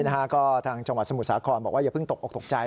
ก็ทางจังหวัดสมุทรสาครบอกว่าอย่าเพิ่งตกออกตกใจ